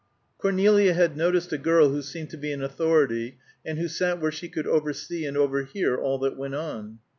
Cornelia had noticed a girl who seemed to be in authority, and who sat where she could oversee and overhear all that went on.